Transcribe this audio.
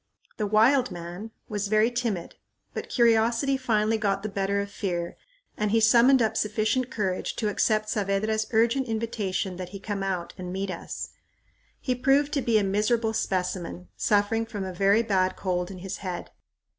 The "wild man" was very timid, but curiosity finally got the better of fear and he summoned up sufficient courage to accept Saavedra's urgent invitation that he come out and meet us. He proved to be a miserable specimen, suffering from a very bad cold in his head.